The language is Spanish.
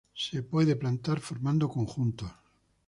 Se puede plantar formando conjuntos.